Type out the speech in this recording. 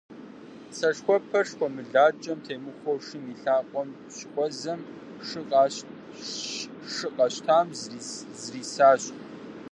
Сэшхуэпэр шхуэмылакӀэм темыхуэу шым и лъакъуэм щыхуэзэм, шы къэщтам зрисащ.